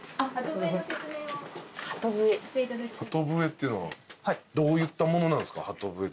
鳩笛っていうのはどういったものなんすか？